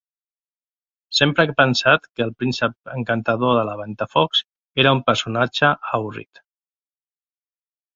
Sempre he pensat que el príncep encantador de La Ventafocs era un personatge avorrit.